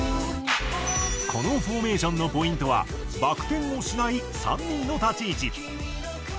このフォーメーションのポイントはバク転をしない３人の立ち位置。